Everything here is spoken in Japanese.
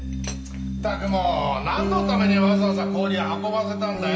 ったくもうなんのためにわざわざ氷運ばせたんだよ！